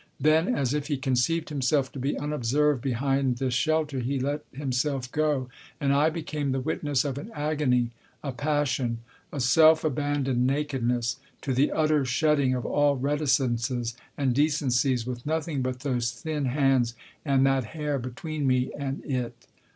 Then, as if he conceived himself to be unobserved behind this shelter, he let himself go ; and I became the witness of an agony, a passion, a self abandoned naked ness, to the utter shedding of all reticences and decencies, with nothing but those thin hands and that hair between me and it.